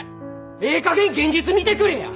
ええかげん現実見てくれや！